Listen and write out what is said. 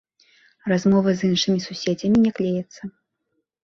Размовы з іншымі суседзямі не клеяцца.